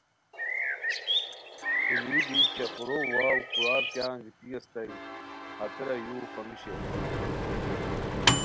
اولی بی چاخورو واؤ کورار کیانگیتی اسیتائے ہتیرا یو خومی شیر